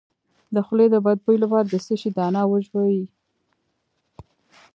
د خولې د بد بوی لپاره د څه شي دانه وژويئ؟